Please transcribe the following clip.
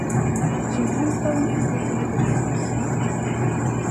Jmeɛ imeṭṭawen-iw di teylewt-ik.